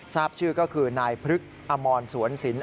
ทราบชื่อก็คือนายพฤกษ์อมรสวนสิน